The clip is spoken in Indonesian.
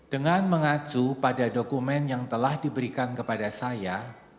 dengan mengacu pada dokumen yang telah diberikan kepada saya